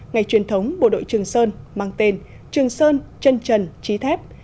ngày truyền thống bộ đội trường sơn mang tên trường sơn trân trần trí thép